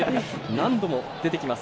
何度も出てきます。